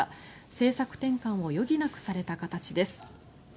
政策転換を余儀なくされた形です。